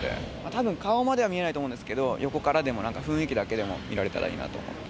たぶん、顔までは見れないと思うんですけれども、横からでもなんか雰囲気だけでも見られたらいいなと。